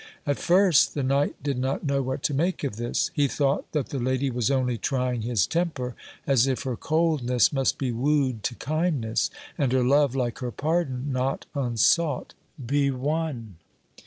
At first the knight did not know what to make of this; he thought that the lady was only trying his temper, as if her coldness must be wooed to kindness, and her love, like her pardon, not unsought, be won.